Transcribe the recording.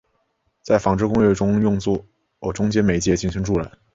在纺织工业中用作中间媒介进行助染。